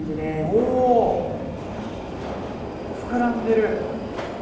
おお膨らんでる！